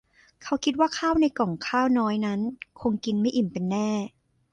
เขาคิดว่าข้าวในก่องข้าวน้อยนั้นคงกินไม่อิ่มเป็นแน่